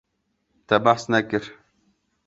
Te behs nekir.